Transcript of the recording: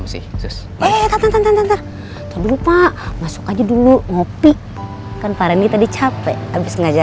saya sedang mencari istri saya